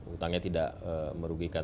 utangnya tidak merugikan